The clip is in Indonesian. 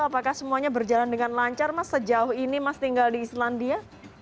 apakah semuanya berjalan dengan lancar mas sejauh ini mas tinggal di islandia